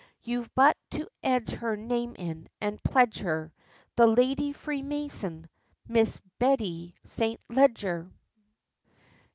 You've but to edge her Name in, and pledge her, The Lady Freemason MISS BETTY ST. LEDGER!